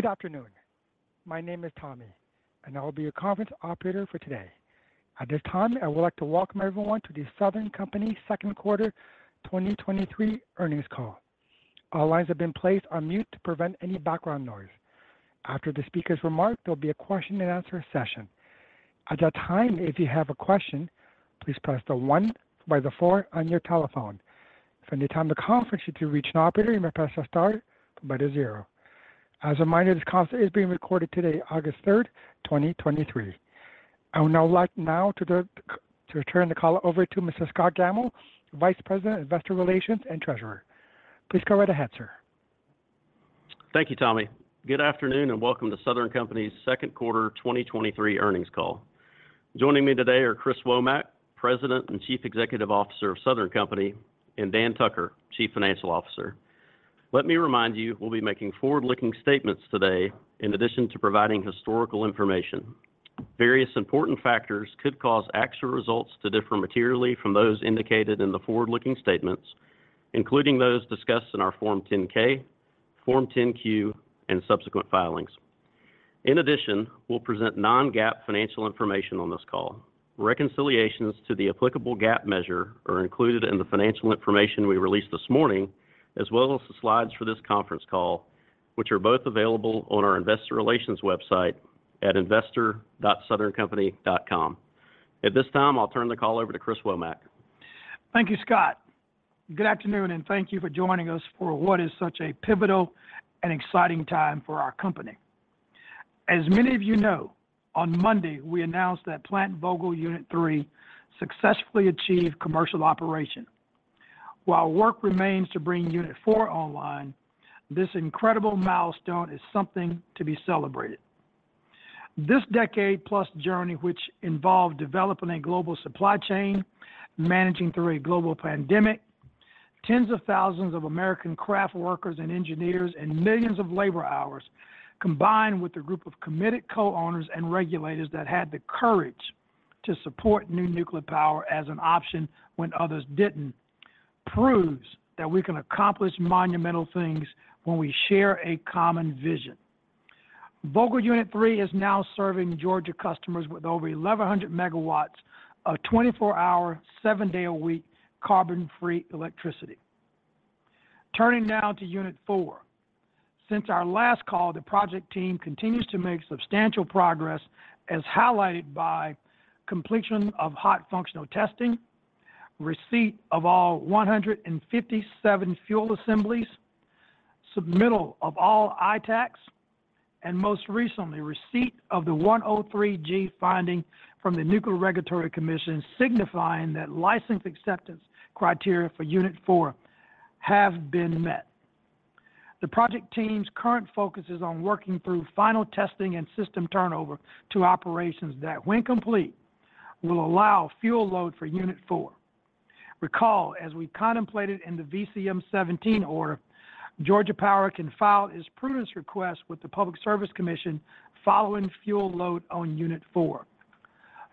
Good afternoon. My name is Tommy, and I will be your conference operator for today. At this time, I would like to welcome everyone to the Southern Company second quarter 2023 earnings call. All lines have been placed on mute to prevent any background noise. After the speaker's remark, there'll be a question-and-answer session. At that time, if you have a question, please press the one by the four on your telephone. If any time the conference you to reach an operator, you may press star by the zero. As a reminder, this conference is being recorded today, August 3rd, 2023. I would now like now to turn the call over to Mr. Scott Gammill, Vice President, investor relations and Treasurer. Please go right ahead, sir. Thank you, Tommy. Good afternoon, and welcome to Southern Company's second quarter 2023 earnings call. Joining me today are Chris Womack, President and Chief Executive Officer of Southern Company, and Dan Tucker, Chief Financial Officer. Let me remind you, we'll be making forward-looking statements today in addition to providing historical information. Various important factors could cause actual results to differ materially from those indicated in the forward-looking statements, including those discussed in our Form 10-K, Form 10-Q, and subsequent filings. In addition, we'll present non-GAAP financial information on this call. Reconciliations to the applicable GAAP measure are included in the financial information we released this morning, as well as the slides for this conference call, which are both available on our investor relations website at investor.southerncompany.com. At this time, I'll turn the call over to Chris Womack. Thank you, Scott. Good afternoon, thank you for joining us for what is such a pivotal and exciting time for our company. As many of you know, on Monday, we announced that Plant Vogtle Unit 3 successfully achieved commercial operation. While work remains to bring Unit 4 online, this incredible milestone is something to be celebrated. This decade-plus journey, which involved developing a global supply chain, managing through a global pandemic, 10s of thousands of American craft workers and engineers, and millions of labor hours, combined with a group of committed co-owners and regulators that had the courage to support new nuclear power as an option when others didn't, proves that we can accomplish monumental things when we share a common vision. Vogtle Unit 3 is now serving Georgia customers with over 1,100 megawatts of 24-hour, 7-day-a-week carbon-free electricity. Turning now to Unit 4. Since our last call, the project team continues to make substantial progress, as highlighted by completion of hot functional testing, receipt of all 157 fuel assemblies, submittal of all ITAACs, and most recently, receipt of the 103(g) finding from the U.S. Nuclear Regulatory Commission, signifying that license acceptance criteria for Unit 4 have been met. The project team's current focus is on working through final testing and system turnover to operations that, when complete, will allow fuel load for Unit 4. Recall, as we contemplated in the VCM 17 order, Georgia Power can file its prudence request with the Georgia Public Service Commission following fuel load on Unit 4.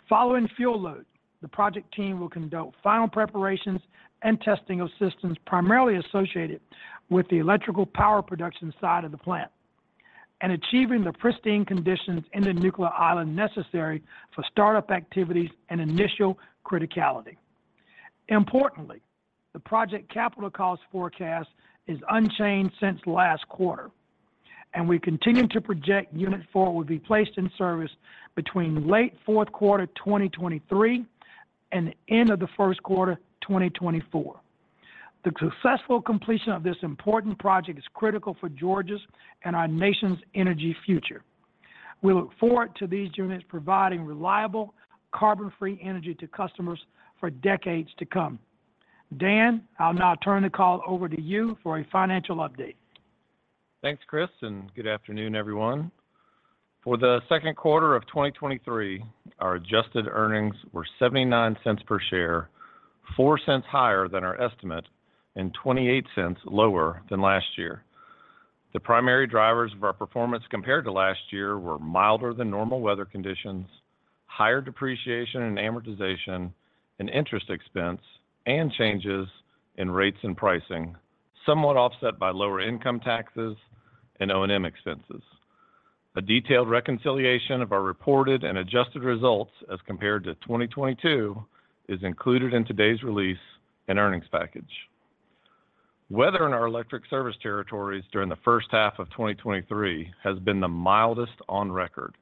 Following fuel load, the project team will conduct final preparations and testing of systems primarily associated with the electrical power production side of the plant, and achieving the pristine conditions in the nuclear island necessary for startup activities and initial criticality. Importantly, the project capital cost forecast is unchanged since last quarter, and we continue to project Unit 4 will be placed in service between late fourth quarter 2023 and the end of the 1st quarter 2024. The successful completion of this important project is critical for Georgia's and our nation's energy future. We look forward to these units providing reliable, carbon-free energy to customers for decades to come. Dan, I'll now turn the call over to you for a financial update. Thanks, Chris, and good afternoon, everyone. For the second quarter of 2023, our adjusted earnings were $0.79 per share, $0.04 higher than our estimate and $0.28 lower than last year. The primary drivers of our performance compared to last year were milder than normal weather conditions, higher depreciation and amortization and interest expense and changes in rates and pricing, somewhat offset by lower income taxes and O&M expenses. A detailed reconciliation of our reported and adjusted results as compared to 2022 is included in today's release and earnings package. Weather in our electric service territories during the first half of 2023 has been the mildest on record,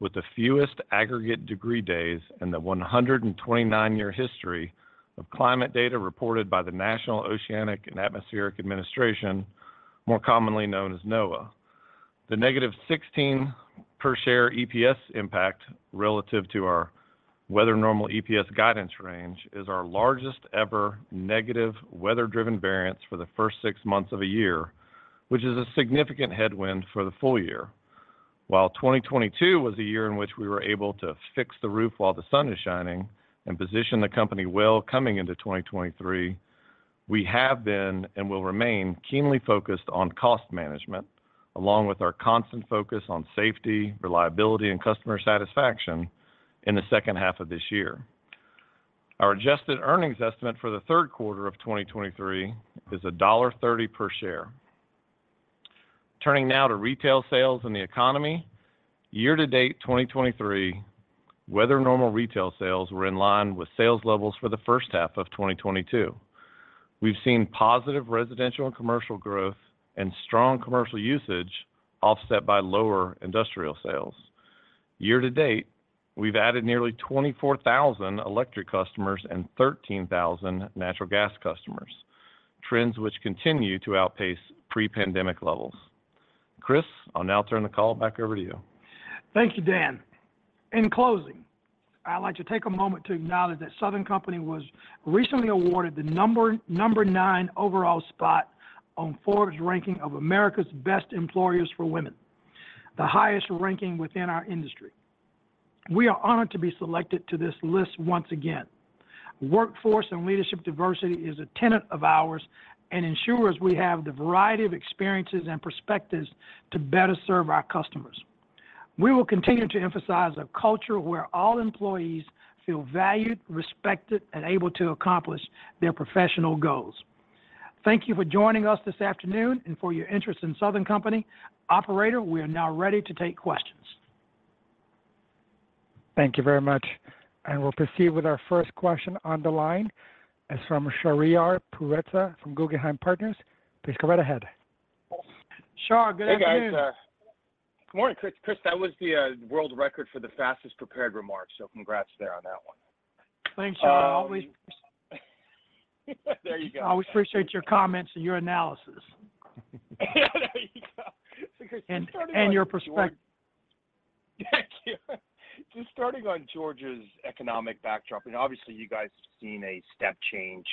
with the fewest aggregate degree days in the 129-year history of climate data reported by the National Oceanic and Atmospheric Administration, more commonly known as NOAA. The negative 16 per share EPS impact relative to our weather normal EPS guidance range is our largest ever negative weather-driven variance for the first six months of a year, which is a significant headwind for the full year. While 2022 was a year in which we were able to fix the roof while the sun is shining and position the company well coming into 2023, we have been and will remain keenly focused on cost management, along with our constant focus on safety, reliability, and customer satisfaction in the second half of this year. Our adjusted earnings estimate for the third quarter of 2023 is $1.30 per share. Turning now to retail sales and the economy, year-to-date, 2023, weather normal retail sales were in line with sales levels for the first half of 2022. We've seen positive residential and commercial growth and strong commercial usage, offset by lower industrial sales. Year to date, we've added nearly 24,000 electric customers and 13,000 natural gas customers, trends which continue to outpace pre-pandemic levels. Chris, I'll now turn the call back over to you. Thank you, Dan. In closing, I'd like to take a moment to acknowledge that Southern Company was recently awarded the number nine overall spot on Forbes' ranking of America's best employers for women, the highest ranking within our industry. We are honored to be selected to this list once again. Workforce and leadership diversity is a tenet of ours and ensures we have the variety of experiences and perspectives to better serve our customers. We will continue to emphasize a culture where all employees feel valued, respected, and able to accomplish their professional goals. Thank you for joining us this afternoon and for your interest in Southern Company. Operator, we are now ready to take questions. Thank you very much. We'll proceed with our first question on the line. It's from Shahriar Pourreza from Guggenheim Partners. Please go right ahead. Shar, good afternoon. Hey, guys. Good morning, Chris. Chris, that was the world record for the fastest prepared remarks. Congrats there on that one. Thanks, Shar. Always- There you go. I always appreciate your comments and your analysis. There you go. Chris- And your perspective. Thank you. Just starting on Georgia's economic backdrop, obviously, you guys have seen a step change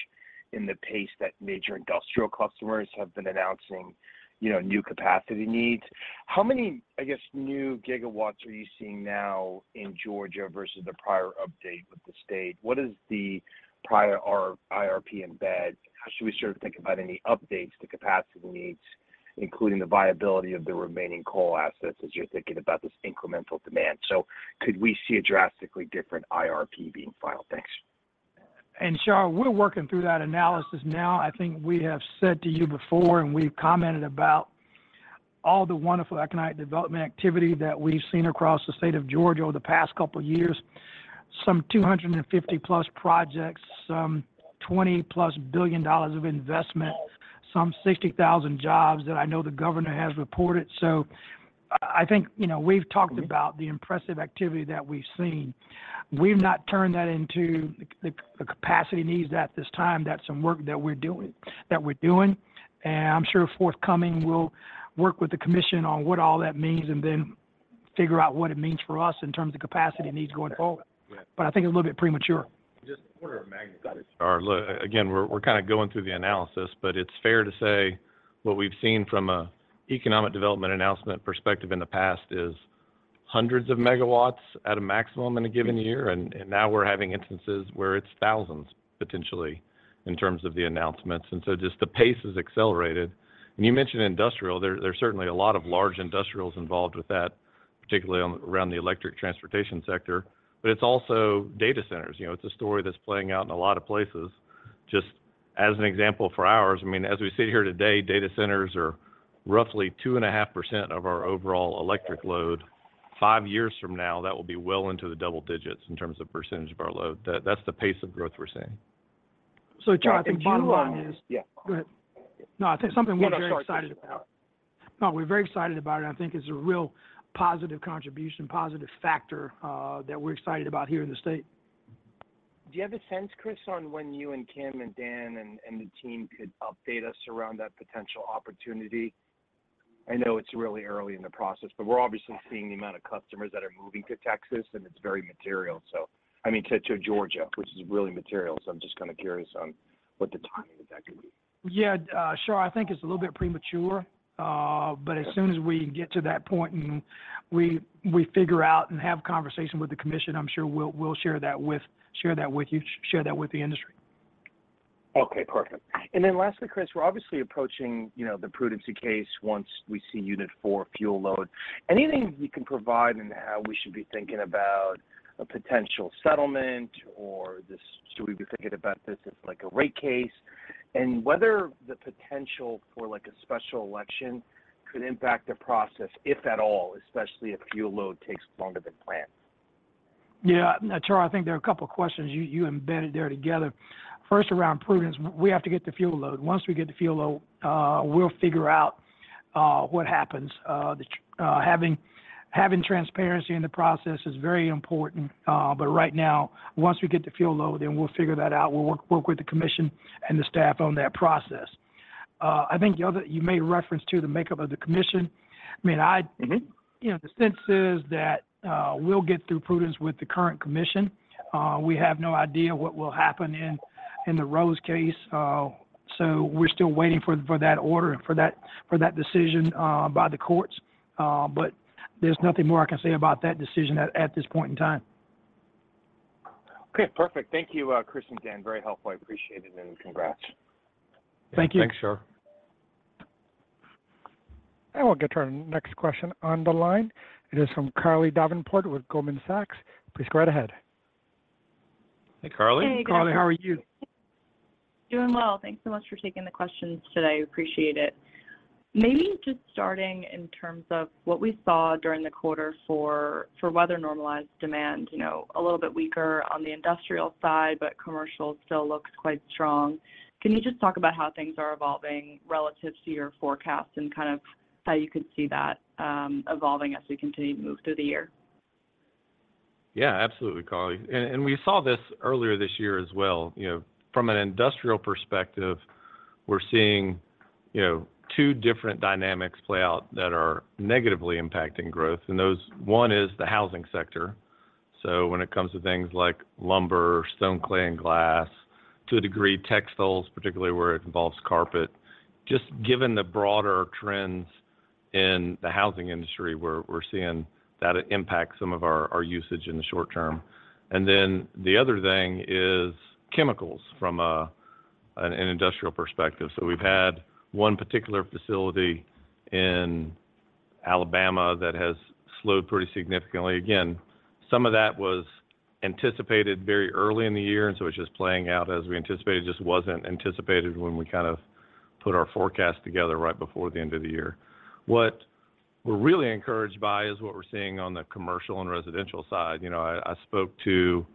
in the pace that major industrial customers have been announcing, you know, new capacity needs. How many, I guess, new gigawatts are you seeing now in Georgia versus the prior update with the state? What is the prior IRP embed? How should we sort of think about any updates to capacity needs, including the viability of the remaining coal assets, as you're thinking about this incremental demand? Could we see a drastically different IRP being filed? Thanks. Shar, we're working through that analysis now. I think we have said to you before, and we've commented about all the wonderful economic development activity that we've seen across the state of Georgia over the past couple of years. 250+ projects, $20+ billion of investment, 60,000 jobs that I know the governor has reported. I, I think, you know, we've talked about the impressive activity that we've seen. We've not turned that into the, the, the capacity needs at this time. That's some work that we're doing, that we're doing, and I'm sure forthcoming, we'll work with the commission on what all that means and then figure out what it means for us in terms of capacity needs going forward. Yeah. I think it's a little bit premature. Just order of magnitude, Shar. Look, again, we're, we're kinda going through the analysis, but it's fair to say what we've seen from a economic development announcement perspective in the past is hundreds of megawatts at a maximum in a given year, and, and now we're having instances where it's thousands, potentially, in terms of the announcements, and so just the pace has accelerated. You mentioned industrial. There, there's certainly a lot of large industrials involved with that, particularly around the electric transportation sector, but it's also data centers. You know, it's a story that's playing out in a lot of places. Just as an example for ours, I mean, as we sit here today, data centers are roughly 2.5% of our overall electric load. Five years from now, that will be well into the double digits in terms of percentage of our load. That's the pace of growth we're seeing. Shar, I think bottom line is. Yeah. Go ahead. I think something we're very excited about. We're very excited about it, and I think it's a real positive contribution, positive factor, that we're excited about here in the state. Do you have a sense, Chris, on when you and Kim and Dan and, and the team could update us around that potential opportunity? I know it's really early in the process, but we're obviously seeing the amount of customers that are moving to Texas, and it's very material, so... I mean, to, to Georgia, which is really material. I'm just kind of curious on what the timing of that could be? Yeah, Shar, I think it's a little bit premature, as soon as we get to that point and we, we figure out and have conversation with the commission, I'm sure we'll, we'll share that with you, share that with the industry. Okay, perfect. Then lastly, Chris, we're obviously approaching, you know, the prudency case once we see unit 4 fuel load. Anything you can provide in how we should be thinking about a potential settlement, or this, should we be thinking about this as, like, a rate case, and whether the potential for, like, a special election could impact the process, if at all, especially if fuel load takes longer than planned? Yeah. Shar, I think there are a couple of questions you, you embedded there together. First, around prudence, we have to get the fuel load. Once we get the fuel load, we'll figure out what happens. The having, having transparency in the process is very important, but right now, once we get the fuel load, then we'll figure that out. We'll work, work with the commission and the staff on that process. I think the other you made reference to the makeup of the commission. I mean, I. Mm-hmm... you know, the sense is that we'll get through prudence with the current commission. We have no idea what will happen in, in the Rose case, so we're still waiting for, for that order and for that, for that decision by the courts. There's nothing more I can say about that decision at, at this point in time. Okay, perfect. Thank you, Chris and Dan. Very helpful. I appreciate it, and congrats. Thank you. Thanks, Shar.... We'll get to our next question on the line. It is from Carly Davenport with Goldman Sachs. Please go right ahead. Hey, Carly. Hey, guys. Carly, how are you? Doing well. Thanks so much for taking the questions today. Appreciate it. Maybe just starting in terms of what we saw during the quarter for, for weather-normalized demand, you know, a little bit weaker on the industrial side, but commercial still looks quite strong. Can you just talk about how things are evolving relative to your forecast and kind of how you could see that evolving as we continue to move through the year? Yeah, absolutely, Carly. We saw this earlier this year as well. You know, from an industrial perspective, we're seeing, you know, two different dynamics play out that are negatively impacting growth. One is the housing sector. When it comes to things like lumber, stone, clay, and glass, to a degree, textiles, particularly where it involves carpet, just given the broader trends in the housing industry, we're, we're seeing that it impacts some of our, our usage in the short term. Then the other thing is chemicals from an industrial perspective. We've had one particular facility in Alabama that has slowed pretty significantly. Again, some of that was anticipated very early in the year, and so it's just playing out as we anticipated. Just wasn't anticipated when we kind of put our forecast together right before the end of the year. What we're really encouraged by is what we're seeing on the commercial and residential side. You know, I, I spoke to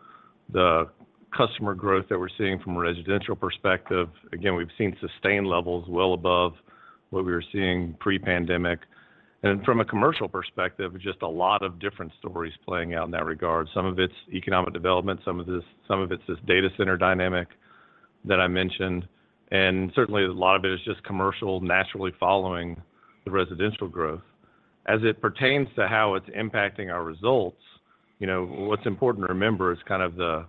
the customer growth that we're seeing from a residential perspective. Again, we've seen sustained levels well above what we were seeing pre-pandemic. From a commercial perspective, just a lot of different stories playing out in that regard. Some of it's economic development, some of it's this data center dynamic that I mentioned, and certainly a lot of it is just commercial, naturally following the residential growth. As it pertains to how it's impacting our results, you know, what's important to remember is kind of the,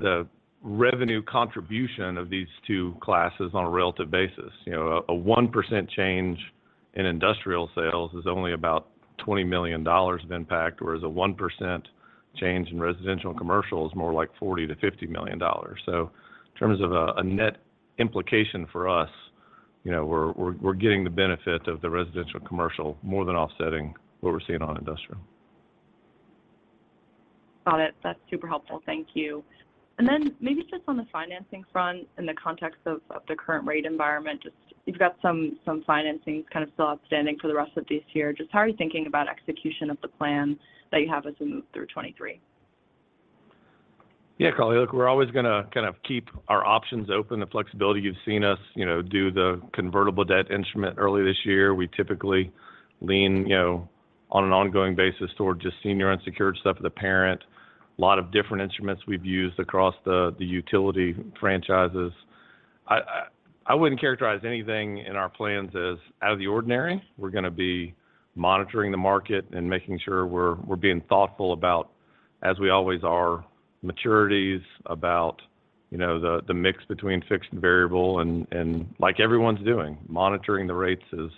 the revenue contribution of these two classes on a relative basis. You know, 1% change in industrial sales is only about $20 million of impact, whereas 1% change in residential and commercial is more like $40 million-$50 million. In terms of a net implication for us, you know, we're getting the benefit of the residential commercial more than offsetting what we're seeing on industrial. Got it. That's super helpful. Thank you. Then maybe just on the financing front, in the context of the current rate environment, just you've got some financings kind of still outstanding for the rest of this year. Just how are you thinking about execution of the plan that you have as we move through 2023? Yeah, Carly, look, we're always gonna kind of keep our options open, the flexibility. You've seen us, you know, do the convertible debt instrument earlier this year. We typically lean, you know, on an ongoing basis toward just senior unsecured stuff of the parent. A lot of different instruments we've used across the, the utility franchises. I, I wouldn't characterize anything in our plans as out of the ordinary. We're gonna be monitoring the market and making sure we're, we're being thoughtful about, as we always are, maturities, about, you know, the, the mix between fixed and variable, and, and like everyone's doing, monitoring the rates as,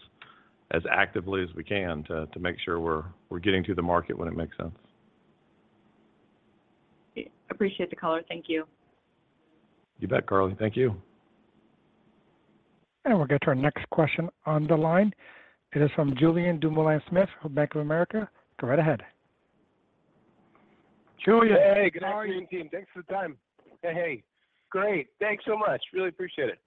as actively as we can to, to make sure we're, we're getting to the market when it makes sense. Appreciate the color. Thank you. You bet, Carly. Thank you. We'll get to our next question on the line. It is from Julien Dumoulin-Smith from Bank of America. Go right ahead. Julian, how are you? Hey, good afternoon, team. Thanks for the time. Hey, hey. Great. Thanks so much. Really appreciate it.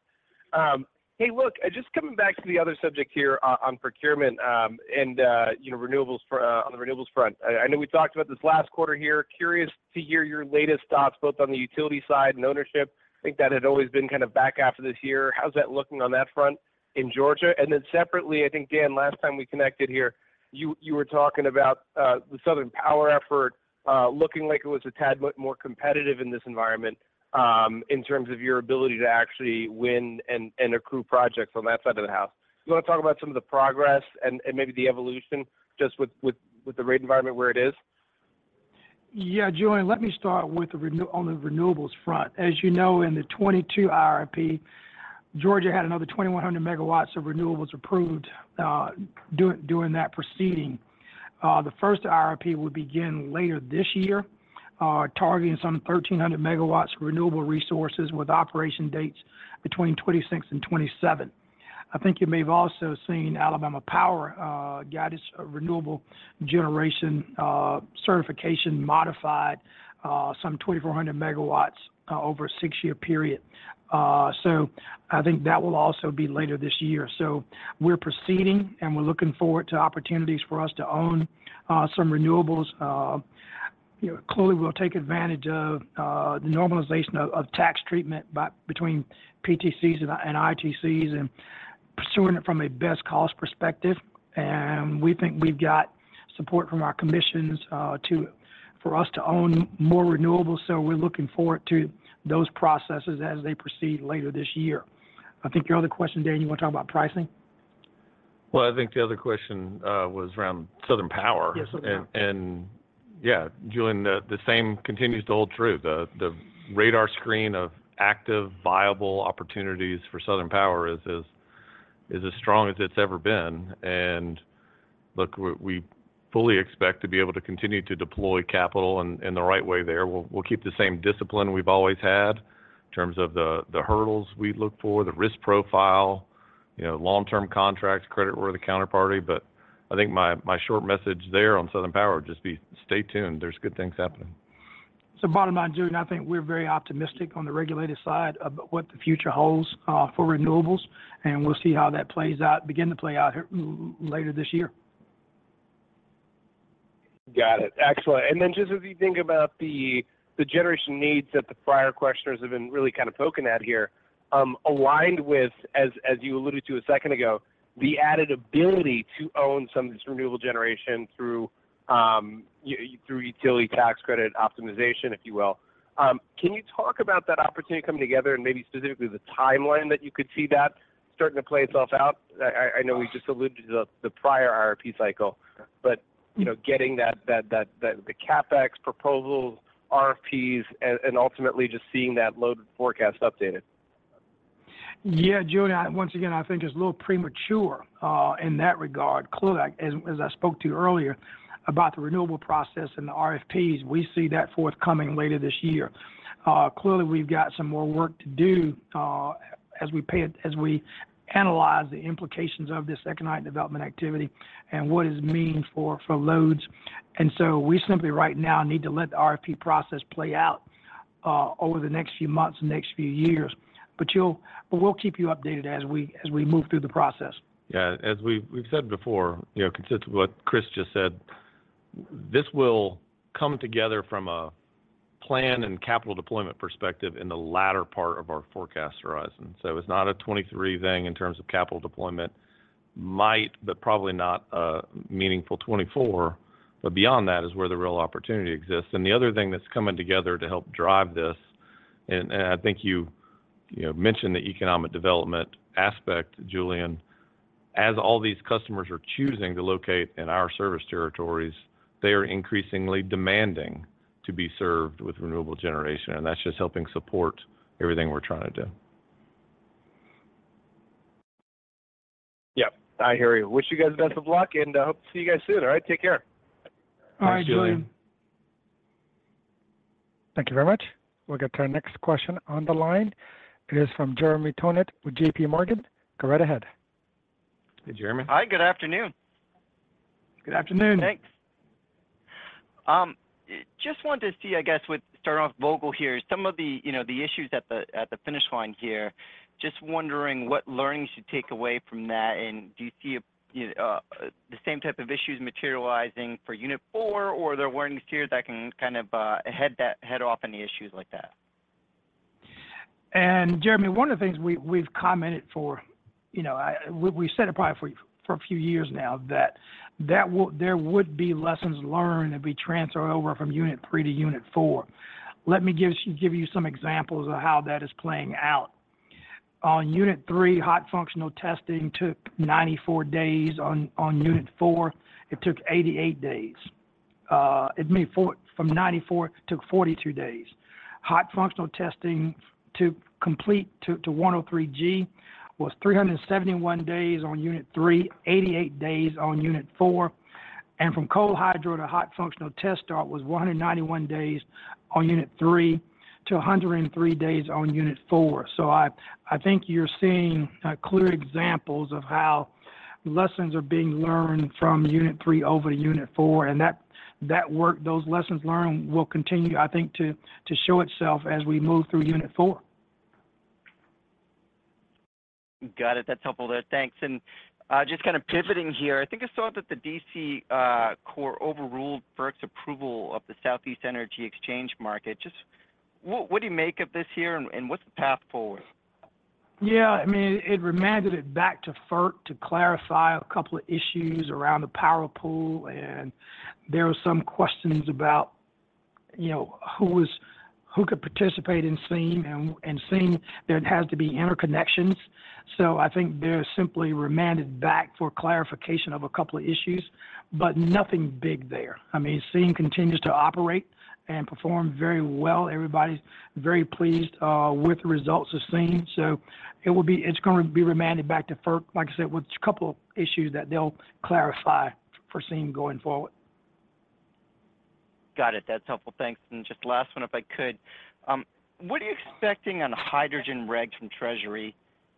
Hey, look, just coming back to the other subject here on procurement, you know, on the renewables front. I, I know we talked about this last quarter here. Curious to hear your latest thoughts, both on the utility side and ownership. I think that had always been kind of back half of this year. How's that looking on that front in Georgia? Separately, I think, Dan, last time we connected here, you, you were talking about the Southern Power effort, looking like it was a tad bit more competitive in this environment, in terms of your ability to actually win and, and accrue projects on that side of the house. You wanna talk about some of the progress and maybe the evolution just with the rate environment where it is? Yeah, Julian, let me start on the renewables front. As you know, in the 2022 RRP, Georgia had another 2,100 megawatts of renewables approved during that proceeding. The first RRP will begin later this year, targeting some 1,300 megawatts of renewable resources with operation dates between 2026 and 2027. I think you may have also seen Alabama Power guide its renewable generation certification, modified, some 2,400 megawatts over a 6-year period. I think that will also be later this year. We're proceeding, and we're looking forward to opportunities for us to own some renewables. You know, clearly, we'll take advantage of the normalization of tax treatment by between PTCs and ITCs and pursuing it from a best cost perspective. We think we've got support from our commissions, for us to own more renewables, we're looking forward to those processes as they proceed later this year. I think your other question, Dan, you want to talk about pricing? I think the other question was around Southern Power. Yeah, Southern Power. Yeah, Julian, the, the same continues to hold true. The, the radar screen of active, viable opportunities for Southern Power is, is, is as strong as it's ever been. Look, we, we fully expect to be able to continue to deploy capital in, in the right way there. We'll, we'll keep the same discipline we've always had in terms of the, the hurdles we look for, the risk profile, you know, long-term contracts, creditworthy counterparty. I think my, my short message there on Southern Power would just be stay tuned. There's good things happening. Bottom line, Julien, I think we're very optimistic on the regulated side of what the future holds for renewables, and we'll see how that plays out-- begin to play out here later this year. Then just as you think about the, the generation needs that the prior questioners have been really kind of poking at here, aligned with, as, as you alluded to a second ago, the added ability to own some of this renewable generation through, you through utility tax credit optimization, if you will. Can you talk about that opportunity coming together and maybe specifically the timeline that you could see that starting to play itself out? I know we just alluded to the, the prior IRP cycle, but, you know, getting that, the CapEx proposals, RFPs, and, and ultimately just seeing that load forecast updated. Yeah, Julian, once again, I think it's a little premature in that regard. Clearly, as, as I spoke to you earlier about the renewable process and the RFPs, we see that forthcoming later this year. Clearly, we've got some more work to do as we analyze the implications of this economic development activity and what is mean for, for loads. We simply right now need to let the RFP process play out over the next few months and next few years. We'll keep you updated as we, as we move through the process. Yeah. As we've, we've said before, you know, consistent with what Chris just said, this will come together from a plan and capital deployment perspective in the latter part of our forecast horizon. It's not a 23 thing in terms of capital deployment. Might, but probably not a meaningful 24, but beyond that is where the real opportunity exists. The other thing that's coming together to help drive this, and, and I think you, you know, mentioned the economic development aspect, Julien, as all these customers are choosing to locate in our service territories, they are increasingly demanding to be served with renewable generation, and that's just helping support everything we're trying to do. Yep, I hear you. Wish you guys best of luck, and hope to see you guys soon. All right, take care. Thanks, Julien. All right, Julien. Thank you very much. We'll get to our next question on the line. It is from Jeremy Tonet with JPMorgan. Go right ahead. Hey, Jeremy. Hi, good afternoon. Good afternoon. Thanks. Just wanted to see, I guess, with starting off Vogtle here, some of the, you know, the issues at the finish line here, just wondering what learnings you take away from that, and do you see the same type of issues materializing for Unit 4, or are there learnings here that can kind of head that head off any issues like that? Jeremy, one of the things we, we've commented for, you know, we've said it probably for, for a few years now, that, that there would be lessons learned and be transferred over from Unit 3 to Unit 4. Let me give you, give you some examples of how that is playing out. On Unit 3, hot functional testing took 94 days. On Unit 4, it took 88 days. From 94, took 42 days. Hot functional testing to complete to 103(g) was 371 days on Unit 3, 88 days on Unit 4, and from cold hydro to hot functional test start was 191 days on Unit 3 to 103 days on Unit 4. I, I think you're seeing, clear examples of how lessons are being learned from Unit Three over to Unit Four, and that, that work, those lessons learned, will continue, I think, to, to show itself as we move through Unit 4. Got it. That's helpful there. Thanks. Just kind of pivoting here, I think I saw that the D.C. core overruled FERC's approval of the Southeast Energy Exchange Market. Just what, what do you make of this hearing, and, and what's the path forward? Yeah, I mean, it remanded it back to FERC to clarify a couple of issues around the power pool, and there were some questions about, you know, who could participate in SEEM, and SEEM, there has to be interconnections. I think they're simply remanded back for clarification of a couple of issues, but nothing big there. I mean, SEEM continues to operate and perform very well. Everybody's very pleased with the results of SEEM. It's going to be remanded back to FERC, like I said, with a couple of issues that they'll clarify for SEEM going forward. Got it. That's helpful. Thanks. Just last one, if I could. What are you expecting on hydrogen regs from Treasury,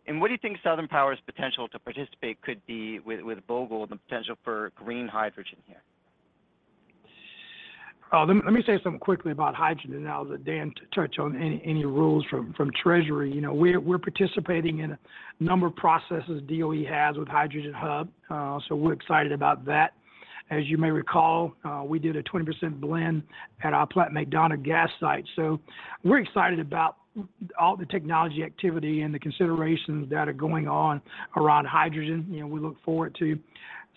and what do you think Southern Power's potential to participate could be with, with Vogtle, the potential for green hydrogen here? Let, let me say something quickly about hydrogen now that Dan touched on any, any rules from, from Treasury. You know, we're, we're participating in a number of processes DOE has with Hydrogen Hub, so we're excited about that. As you may recall, we did a 20% blend at our Plant McDonough gas site. We're excited about all the technology activity and the considerations that are going on around hydrogen. You know, we look forward to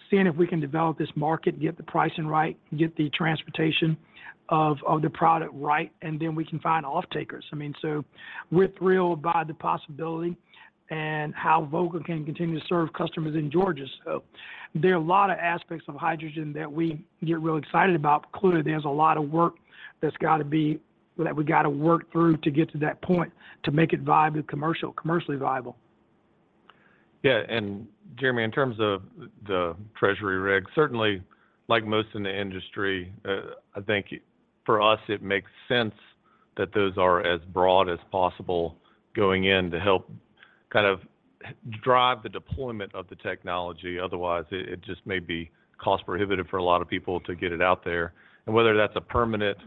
seeing if we can develop this market, get the pricing right, get the transportation of, of the product right, and then we can find off-takers. I mean, we're thrilled by the possibility and how Vogtle can continue to serve customers in Georgia. There are a lot of aspects of hydrogen that we get really excited about. Clearly, there's a lot of work that we've got to work through to get to that point to make it viable, commercial, commercially viable. Yeah, Jeremy, in terms of the Treasury regs, certainly like most in the industry, I think for us, it makes sense that those are as broad as possible going in to help kind of drive the deployment of the technology. Otherwise, it, it just may be cost-prohibitive for a lot of people to get it out there. Whether that's a permanent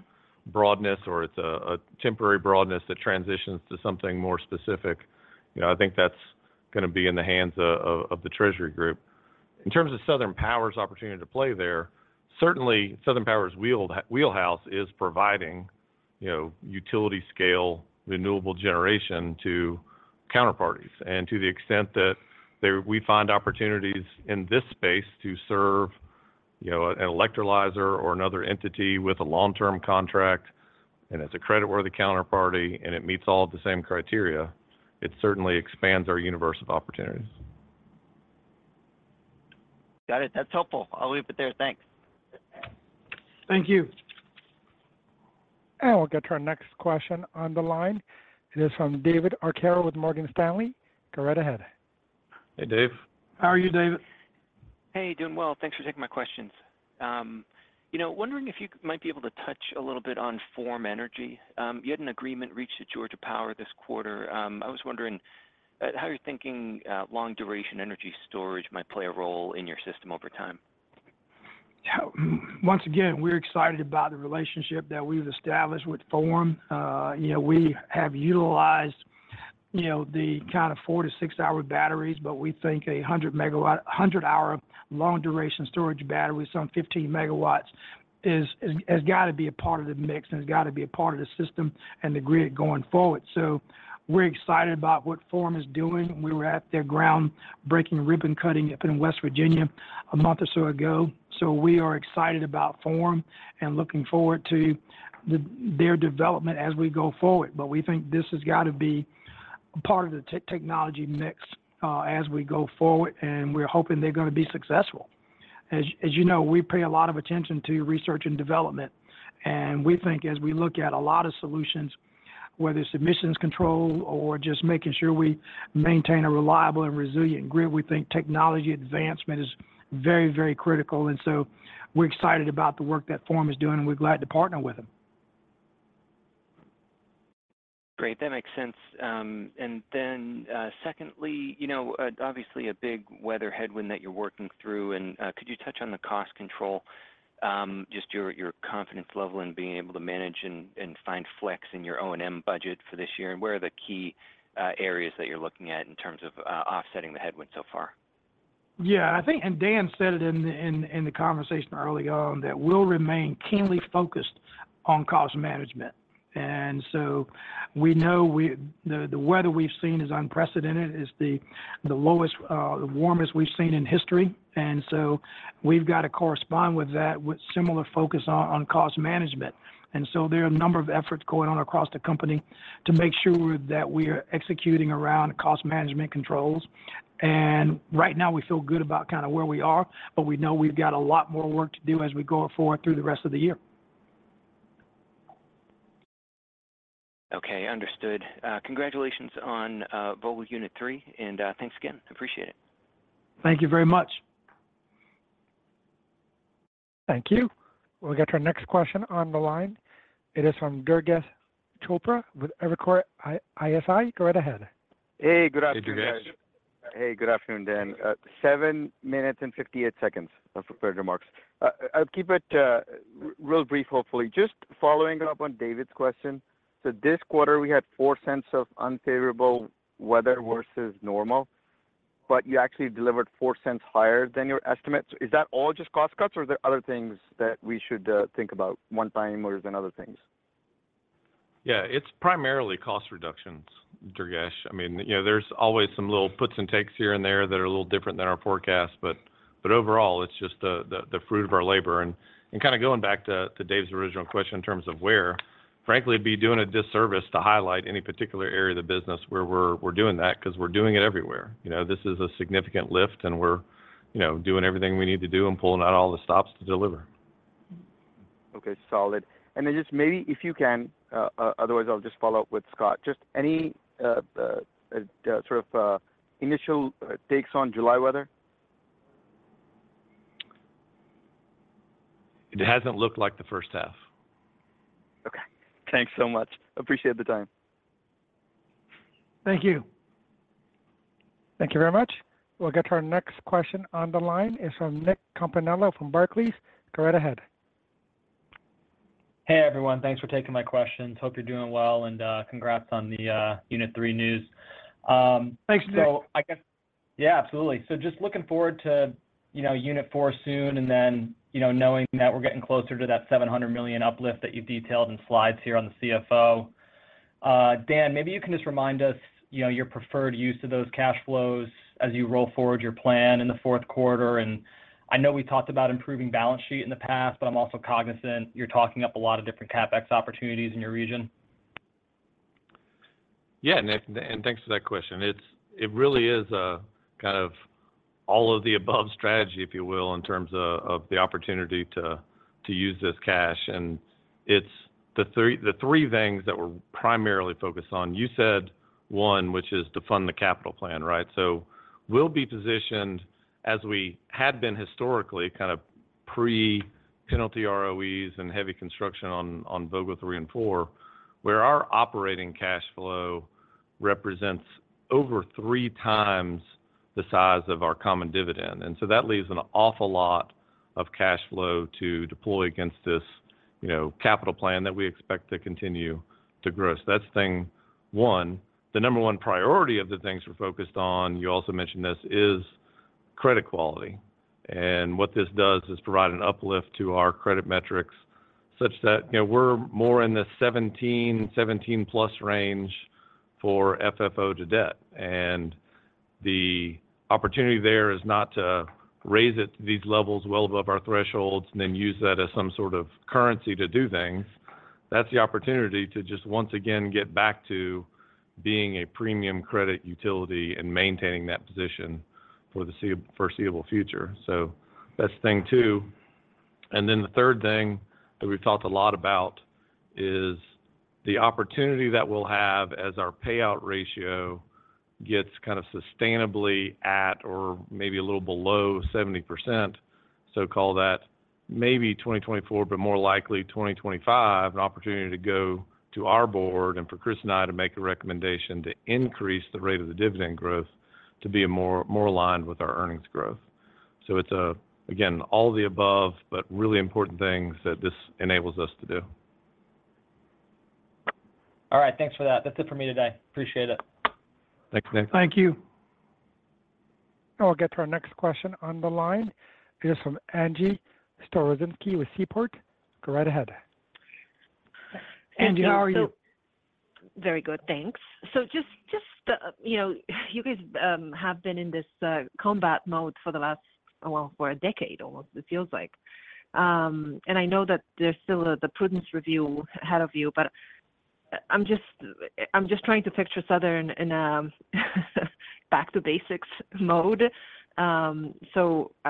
broadness or it's a temporary broadness that transitions to something more specific, you know, I think that's gonna be in the hands of the Treasury group. In terms of Southern Power's opportunity to play there, certainly Southern Power's wheelhouse is providing, you know, utility scale, renewable generation to counterparties. To the extent that we find opportunities in this space to serve, you know, an electrolyzer or another entity with a long-term contract, and it's a creditworthy counterparty, and it meets all of the same criteria, it certainly expands our universe of opportunities. Got it. That's helpful. I'll leave it there. Thanks. Thank you. We'll get to our next question on the line. It is from David Arcaro with Morgan Stanley. Go right ahead. Hey, Dave. How are you, David? Hey, doing well. Thanks for taking my questions. You know, wondering if you might be able to touch a little bit on Form Energy. You had an agreement reached at Georgia Power this quarter. I was wondering, how you're thinking, long-duration energy storage might play a role in your system over time? Yeah. Once again, we're excited about the relationship that we've established with Form. you know, we have utilized, you know, the kind of four to six-hour batteries, but we think a 100 megawatt- 100-hour long-duration storage battery, some 15 megawatts, is, is, has got to be a part of the mix, and it's got to be a part of the system and the grid going forward. We're excited about what Form is doing. We were at their ground-breaking ribbon cutting up in West Virginia a month or so ago. We are excited about Form and looking forward to the, their development as we go forward. We think this has got to be part of the technology mix, as we go forward, and we're hoping they're gonna be successful. As you know, we pay a lot of attention to research and development, and we think as we look at a lot of solutions, whether it's emissions control or just making sure we maintain a reliable and resilient grid, we think technology advancement is very, very critical. We're excited about the work that Form is doing, and we're glad to partner with them. Great, that makes sense. Then, secondly, you know, obviously, a big weather headwind that you're working through, and, could you touch on the cost control, just your, your confidence level in being able to manage and, and find flex in your O&M budget for this year? Where are the key areas that you're looking at in terms of offsetting the headwind so far? Yeah, I think, Dan said it in the, in, in the conversation early on, that we'll remain keenly focused on cost management. We know the, the weather we've seen is unprecedented, is the, the lowest, the warmest we've seen in history. We've got to correspond with that with similar focus on, on cost management. There are a number of efforts going on across the company to make sure that we are executing around cost management controls. Right now, we feel good about kind of where we are, but we know we've got a lot more work to do as we go forward through the rest of the year. Okay, understood. Congratulations on Vogtle Unit 3, and thanks again. Appreciate it. Thank you very much. Thank you. We'll get to our next question on the line. It is from Durgesh Chopra with Evercore ISI. Go right ahead. Hey, good afternoon, guys. Hey, Durgesh. Hey, good afternoon, Dan. seven minutes and 58 seconds of prepared remarks. I'll keep it real brief, hopefully. Just following up on David's question. This quarter, we had $0.04 of unfavorable weather versus normal, but you actually delivered $0.04 higher than your estimate. Is that all just cost cuts, or are there other things that we should think about, one-time orders and other things? Yeah, it's primarily cost reductions, Durgesh. I mean, you know, there's always some little puts and takes here and there that are a little different than our forecast, but overall, it's just the fruit of our labor. Kinda going back to, to Dave's original question in terms of where, frankly, it'd be doing a disservice to highlight any particular area of the business where we're doing that, 'cause we're doing it everywhere. You know, this is a significant lift, and we're, you know, doing everything we need to do and pulling out all the stops to deliver. Okay, solid. Then just maybe, if you can, otherwise, I'll just follow up with Scott. Just any sort of initial takes on July weather? It hasn't looked like the first half. Okay. Thanks so much. Appreciate the time. Thank you. Thank you very much. We'll get to our next question on the line. It's from Nick Campanella from Barclays. Go right ahead. Hey, everyone. Thanks for taking my questions. Hope you're doing well, congrats on the Unit Three news. Thanks, Nick. I guess-- Yeah, absolutely. Just looking forward to, you know, Unit 4 soon, and then, you know, knowing that we're getting closer to that $700 million uplift that you've detailed in slides here on the CFO. Dan, maybe you can just remind us, you know, your preferred use of those cash flows as you roll forward your plan in the fourth quarter. I know we talked about improving balance sheet in the past, but I'm also cognizant you're talking up a lot of different CapEx opportunities in your region. Yeah, Nick, and thanks for that question. It really is a kind of- ... all of the above strategy, if you will, in terms of, of the opportunity to, to use this cash. It's the three, the three things that we're primarily focused on. You said 1, which is to fund the capital plan, right? We'll be positioned as we had been historically, kinda pre-penalty ROEs and heavy construction on, on Vogtle 3 and 4, where our operating cash flow represents over 3x the size of our common dividend. That leaves an awful lot of cash flow to deploy against this, you know, capital plan that we expect to continue to grow. That's thing one. The number one priority of the things we're focused on, you also mentioned this, is credit quality. What this does is provide an uplift to our credit metrics such that, you know, we're more in the 17, 17+ range for FFO-to-debt. The opportunity there is not to raise it to these levels well above our thresholds and then use that as some sort of currency to do things. That's the opportunity to just once again get back to being a premium credit utility and maintaining that position for the foreseeable future. That's thing two. The third thing that we've talked a lot about is the opportunity that we'll have as our payout ratio gets kinda sustainably at or maybe a little below 70%, so call that maybe 2024, but more likely 2025, an opportunity to go to our board and for Chris and I to make a recommendation to increase the rate of the dividend growth to be more, more aligned with our earnings growth. It's, again, all of the above, but really important things that this enables us to do. All right, thanks for that. That's it for me today. Appreciate it. Thanks, Nick. Thank you. I'll get to our next question on the line. It is from Angie Storozynski with Seaport. Go right ahead. Angie, how are you? Very good, thanks. Just, just, you know, you guys have been in this combat mode for the last, well, for a decade, almost, it feels like. I know that there's still the prudence review ahead of you, but I'm just, I'm just trying to picture Southern in a back to basics mode. I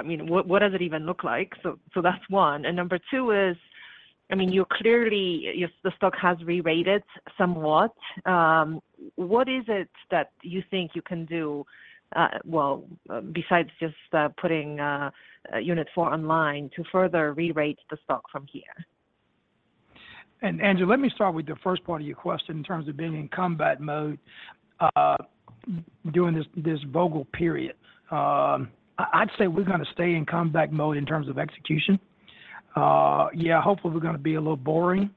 mean, what, what does it even look like? That's one. Number two is, I mean, you're clearly, the stock has rerated somewhat. What is it that you think you can do, well, besides just putting Vogtle Unit 4 online to further rerate the stock from here? Angie, let me start with the first part of your question in terms of being in combat mode during this, this Vogtle period. I'd say we're gonna stay in combat mode in terms of execution. Yeah, hopefully, we're gonna be a little boring.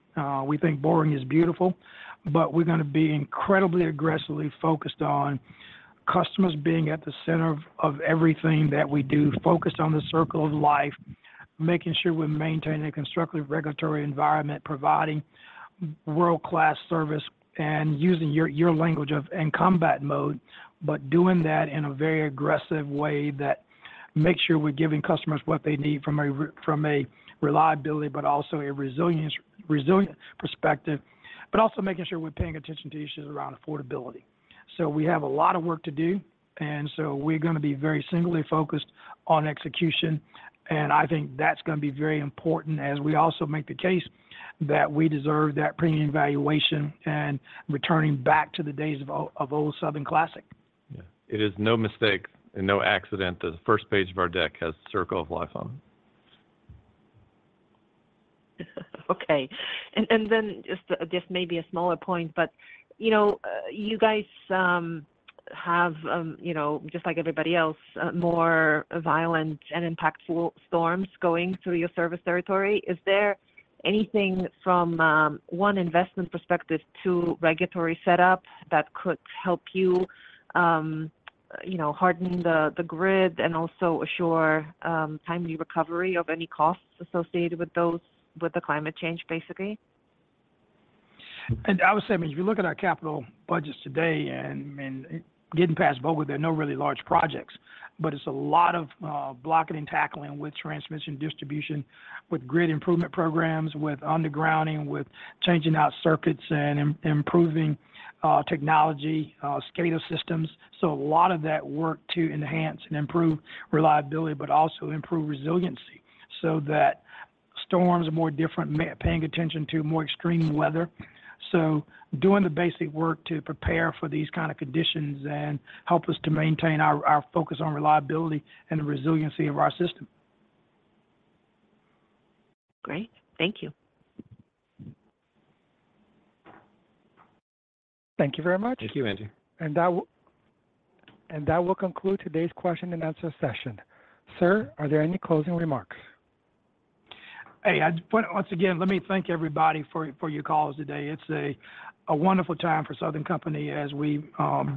We think boring is beautiful, but we're gonna be incredibly aggressively focused on customers being at the center of, of everything that we do, focused on the Circle of Life, making sure we're maintaining a constructive regulatory environment, providing world-class service, and using your, your language of in combat mode, but doing that in a very aggressive way that makes sure we're giving customers what they need from a reliability, but also a resilience perspective, but also making sure we're paying attention to issues around affordability. We have a lot of work to do, and so we're gonna be very singly focused on execution, and I think that's gonna be very important as we also make the case that we deserve that premium valuation and returning back to the days of old Southern Classic. Yeah. It is no mistake and no accident that the first page of our deck has Circle of Life on it. Okay. Then just, just maybe a smaller point, but, you know, you guys, have, you know, just like everybody else, more violent and impactful storms going through your service territory. Is there anything from, one investment perspective to regulatory set up that could help you, you know, harden the grid and also assure timely recovery of any costs associated with those with the climate change, basically? I would say, I mean, if you look at our capital budgets today, and, I mean, getting past Vogtle, there are no really large projects, but it's a lot of blocking and tackling with transmission distribution, with grid improvement programs, with undergrounding, with changing out circuits and improving technology, SCADA systems. A lot of that work to enhance and improve reliability, but also improve resiliency so that storms are more different, paying attention to more extreme weather. Doing the basic work to prepare for these kind of conditions and help us to maintain our, our focus on reliability and the resiliency of our system. Great. Thank you. Thank you very much. Thank you, Angie. That will, and that will conclude today's question and answer session. Sir, are there any closing remarks? Hey, once again, let me thank everybody for, for your calls today. It's a, a wonderful time for Southern Company as we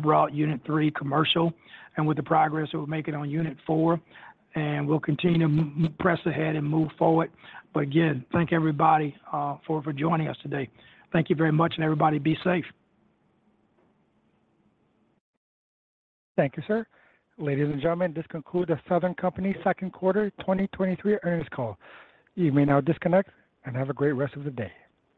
brought Unit 3 commercial. With the progress, we're making on Unit 4, we'll continue to press ahead and move forward. Again, thank everybody for, for joining us today. Thank you very much. E verybody, be safe. Thank you, sir. Ladies and gentlemen, this concludes the Southern Company second quarter 2023 earnings call. You may now disconnect and have a great rest of the day.